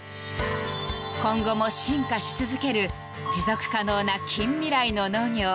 今後も進化し続ける持続可能な近未来の農業。